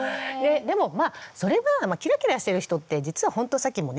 でもまあそれはキラキラしてる人って実はほんとさっきもね